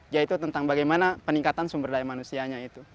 yaitu tentang bagaimana peningkatan sumber daya manusianya itu